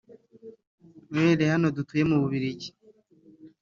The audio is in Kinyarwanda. uhereye hano dutuye mu Bubiligi